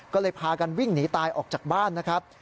ก็เลยพากันวิ่งหนีตายออกจากบ้านนะครับ